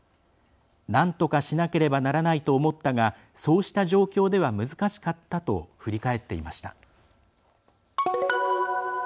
「なんとかしなければならないと思ったがそうした状況では難しかった」と振り返っていました。